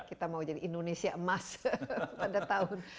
kita mau jadi indonesia emas pada tahun